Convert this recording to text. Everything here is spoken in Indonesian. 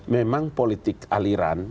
memang politik aliran